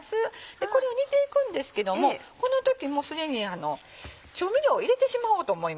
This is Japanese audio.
でこれを煮ていくんですけどもこの時もうすでに調味料を入れてしまおうと思います。